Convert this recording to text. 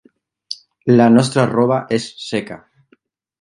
La nostra roba és seca.